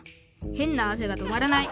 変な汗がとまらない」。